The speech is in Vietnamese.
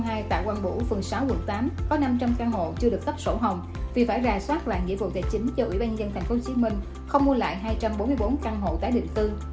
các dự án tiêu viện khắp căn hộ chưa đủ điều kiện cấp sổ hồng là dự án tiêu viện khắp căn hộ chưa đủ điều kiện cấp sổ hồng vì phải ra soát là nghĩa vụ tài chính cho ủy ban nhân dân tp hcm không mua lại hai trăm bốn mươi bốn căn hộ tái định tư